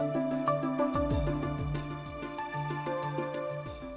kami berada di pulau romang